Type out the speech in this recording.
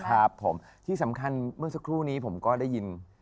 ครับผมที่สำคัญเมื่อสักครู่นี้ผมก็ได้ยิน